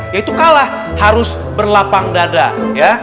yaitu kalah harus berlapang dada ya